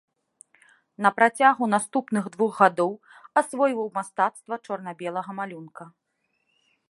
На працягу наступных двух гадоў асвойваў мастацтва чорна-белага малюнка.